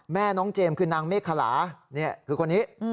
แม่น้องเจมส์คือนางเมฆขลานี่คือคนนี้